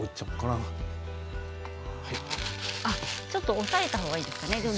押さえた方がいいですね。